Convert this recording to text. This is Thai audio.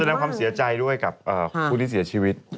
แสดงความเสียใจด้วยกับผู้ที่เสียชีวิต